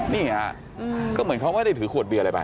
นี่ฮะก็เหมือนเขาไม่ได้ถือขวดเบียร์อะไรไป